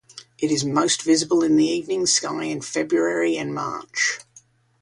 It is most visible in the evening sky in February and March.